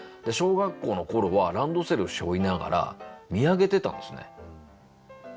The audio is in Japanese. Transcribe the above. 小学校の頃はランドセルしょいながら見上げてたんですね。